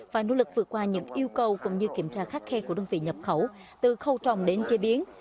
phải nỗ lực vượt qua những yêu cầu cũng như kiểm tra khắc khe của đơn vị nhập khẩu từ khâu trồng đến chế biến